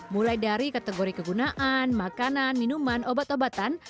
mulai dari kategori kegunaan makanan minuman obat obatan